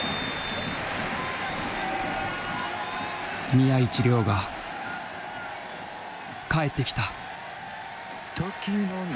宮市亮が帰ってきた！